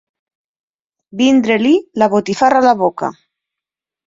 Vindre-li la botifarra a la boca.